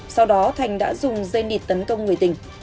sau đó thành đã dùng dây nịt tấn công người tỉnh